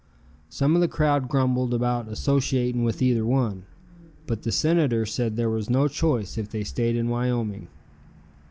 Some of the crowd grumbled about associating with either one, but the Senator said there was no choice if they stayed in Wyoming.